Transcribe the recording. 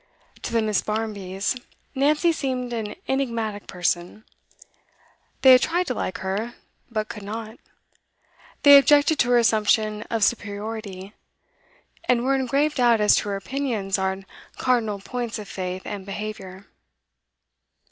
To the Miss. Barmbys, Nancy seemed an enigmatic person; they had tried to like her, but could not; they objected to her assumption of superiority, and were in grave doubt as to her opinions on cardinal points of faith and behaviour.